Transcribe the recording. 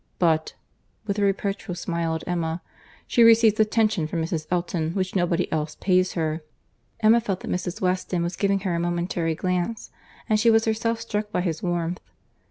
But (with a reproachful smile at Emma) she receives attentions from Mrs. Elton, which nobody else pays her." Emma felt that Mrs. Weston was giving her a momentary glance; and she was herself struck by his warmth.